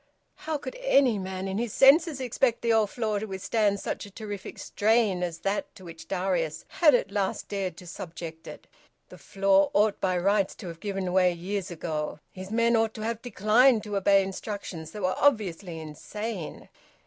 How could any man in his senses expect the old floor to withstand such a terrific strain as that to which Darius had at last dared to subject it? The floor ought by rights to have given way years ago! His men ought to have declined to obey instructions that were obviously insane.